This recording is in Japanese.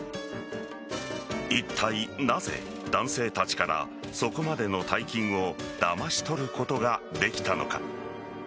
いったいなぜ、男性たちからそこまでの大金をだまし取ることができたのか。